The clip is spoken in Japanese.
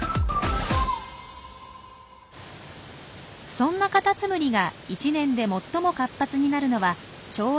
そんなカタツムリが１年で最も活発になるのはちょうど今頃。